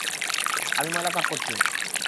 আমি ময়লা সাফ করেছি।